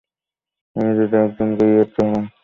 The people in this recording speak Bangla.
আমি যদি একজন গাইড ভাড়া করতে চাই?